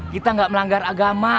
kita tidak melanggar agama